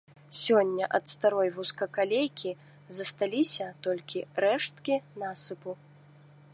Сёння ад старой вузкакалейкі засталіся толькі рэшткі насыпу.